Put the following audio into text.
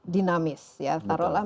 dinamis ya taruhlah